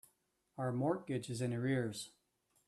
Our mortgage is in arrears.